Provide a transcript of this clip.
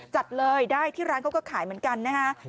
จัดเลยได้ที่ร้านเขาก็ขายเหมือนกันนะฮะ